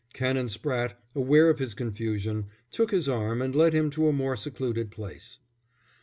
Canon Spratte, aware of his confusion, took his arm and led him to a more secluded place.